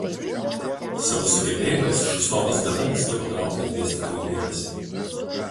Savo sugebėjimais Šustovas gana anksti patraukė dėstytojų dėmesį.